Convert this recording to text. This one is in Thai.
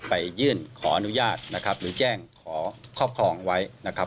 ไปยื่นขออนุญาตนะครับหรือแจ้งขอครอบครองไว้นะครับ